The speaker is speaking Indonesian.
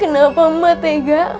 kenapa emak tega